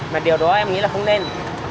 mà điều đó em nghĩ là không nên